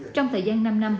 trong thời gian năm năm